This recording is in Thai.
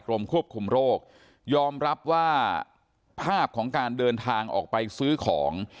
ควบคุมโรคยอมรับว่าภาพของการเดินทางออกไปซื้อของ